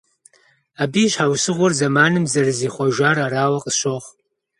Абы и щхьэусыгъуэр зэманым зэрызихъуэжар арауэ къысщохъу.